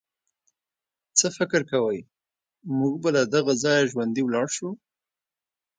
څه فکر کوئ، موږ به له دغه ځایه ژوندي ولاړ شو.